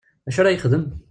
D acu ara yexdem ?